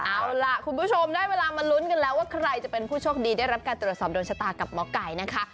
เอาล่ะคุณผู้ชมได้เวลามาลุ้นกันแล้วว่าใครจะเป็นผู้โชคดีได้รับการตรวจสอบโดนชะตากับหมอไก่นะคะ